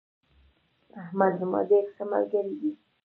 احمد زما ډیر ښه ملگرى دي